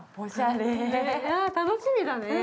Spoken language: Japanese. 楽しみだね。